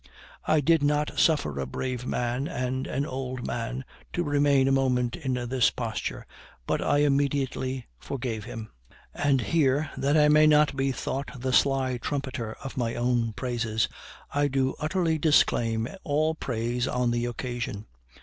I did not suffer a brave man and an old man to remain a moment in this posture, but I immediately forgave him. And here, that I may not be thought the sly trumpeter of my own praises, I do utterly disclaim all praise on the occasion.